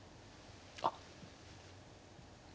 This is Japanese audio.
あっ。